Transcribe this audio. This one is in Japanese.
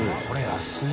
安い。